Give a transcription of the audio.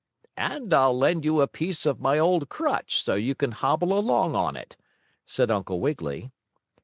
"And I'll lend you a piece of my old crutch, so you can hobble along on it," said Uncle Wiggily.